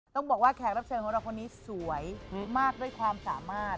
ต้องบอกว่าแขกรับเชิญของเราคนนี้สวยมากด้วยความสามารถ